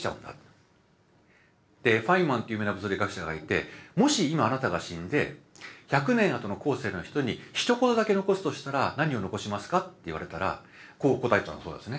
ファインマンっていう有名な物理学者がいて「もし今あなたが死んで１００年あとの後世の人にひと言だけ残すとしたら何を残しますか？」って言われたらこう答えたそうですね。